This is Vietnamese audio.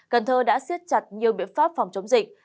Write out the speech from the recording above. cần thơ đã siết chặt nhiều biện pháp phòng chống dịch